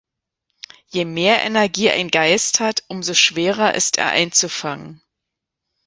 Je mehr Energie ein Geist hat, umso schwerer ist er einzufangen.